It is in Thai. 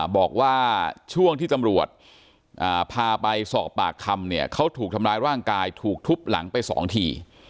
บอกว่าช่วงที่ตำรวจพาไปสอบปากคำเนี่ยเขาถูกทำร้ายร่างกายถูกทุบหลังไปสองที